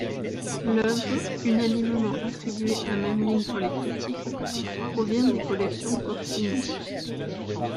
L'œuvre, unanimement attribuée à Memling par les critiques, provient des collections Corsini.